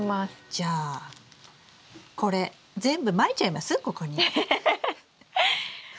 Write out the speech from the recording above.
じゃあこれ全部まいちゃいます？